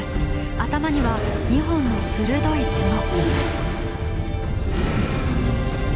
頭には２本の鋭いツノ。